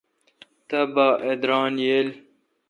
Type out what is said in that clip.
تبا اہ ادران این۔